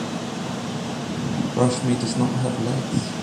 Rashmi does not have legs.